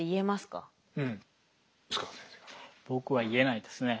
僕は言えないですね。